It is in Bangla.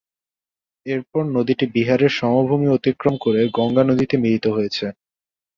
এর পর নদীটি বিহারে সমভূমি অতিক্রম করে গঙ্গা নদীতে মিলিত হয়েছে।